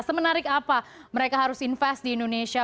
semenarik apa mereka harus invest di indonesia